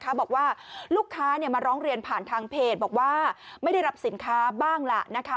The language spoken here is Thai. บอกว่าลูกค้ามาร้องเรียนผ่านทางเพจบอกว่าไม่ได้รับสินค้าบ้างล่ะนะคะ